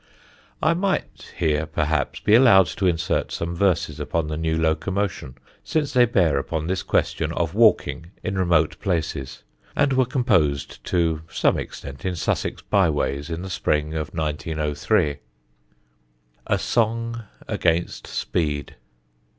I might here, perhaps, be allowed to insert some verses upon the new locomotion, since they bear upon this question of walking in remote places, and were composed to some extent in Sussex byways in the spring of 1903: [Sidenote: A SONG AGAINST SPEED] A SONG AGAINST SPEED.